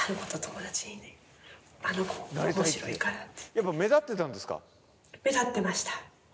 やっぱ目立ってたんですか？